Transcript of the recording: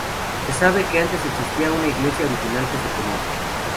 Se sabe que antes existía una iglesia original que se quemó.